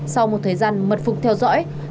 sau một thời gian mật phục theo dõi